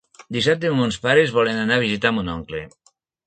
Dissabte mons pares volen anar a visitar mon oncle.